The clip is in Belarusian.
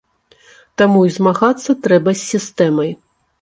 Таму і змагацца трэба з сістэмай.